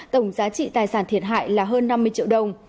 tổng giá trị tài sản thiệt hại là hơn năm mươi triệu đồng